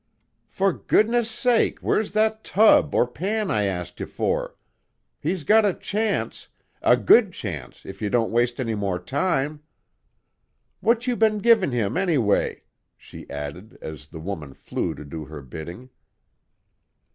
"For goodness' sake, where's that tub or pan I asked you for? He's got a chance, a good chance if you don't waste any more time! What you been givin' him, anyway?" she added, as the woman flew to do her bidding.